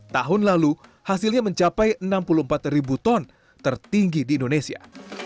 tahun lalu hasilnya mencapai enam puluh empat ribu ton tertinggi di indonesia